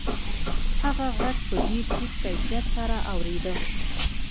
هغه غږ په ډېر ټیټ کیفیت سره اورېده